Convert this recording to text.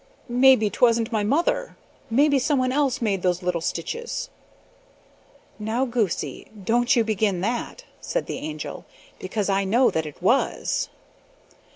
"Maybe 'twasn't me mother! Maybe someone else made those little stitches!" "Now, goosie, don't you begin that," said the Angel, "because I know that it was!"